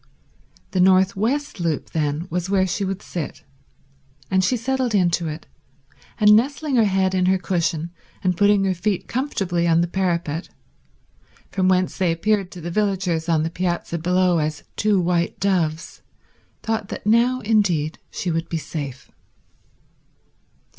The north west loop then was where she would sit, and she settled into it, and nestling her head in her cushion and putting her feet comfortably on the parapet, from whence they appeared to the villagers on the piazza below as two white doves, thought that now indeed she would be safe.